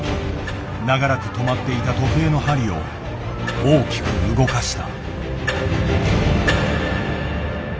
長らく止まっていた時計の針を大きく動かした。